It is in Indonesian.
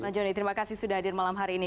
nah jonny terima kasih sudah hadir malam hari ini